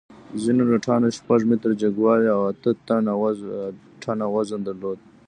ځینو لټانو شپږ متره جګوالی او اته ټنه وزن درلود.